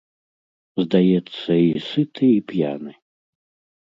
Здаецца, і сыты і п'яны.